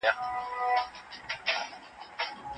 دا ناول د پښتنو د مېړانې یو بل ثبوت دی.